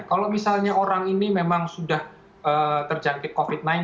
kalau misalnya orang ini memang sudah terjangkit covid sembilan belas